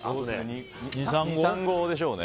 ２３合でしょうね。